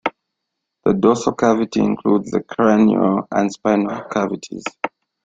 The dorsal cavity includes the cranial and spinal cavities.